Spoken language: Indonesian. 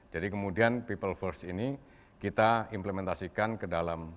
jadi kemudian people first ini kita implementasikan ke dalam